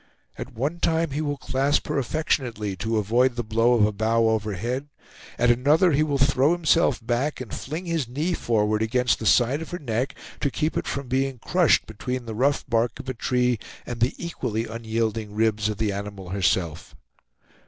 At one time he will clasp her affectionately, to avoid the blow of a bough overhead; at another, he will throw himself back and fling his knee forward against the side of her neck, to keep it from being crushed between the rough bark of a tree and the equally unyielding ribs of the animal herself.